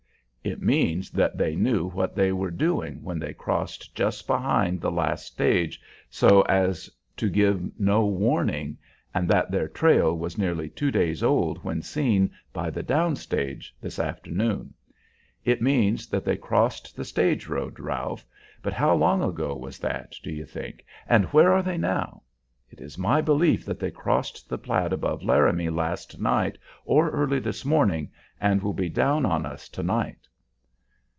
"It means that they knew what they were doing when they crossed just behind the last stage so as to give no warning, and that their trail was nearly two days old when seen by the down stage this afternoon. It means that they crossed the stage road, Ralph, but how long ago was that, do you think, and where are they now? It is my belief that they crossed the Platte above Laramie last night or early this morning, and will be down on us to night."